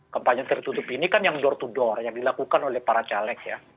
kampanye tertutup ini kan yang door to door yang dilakukan oleh para caleg ya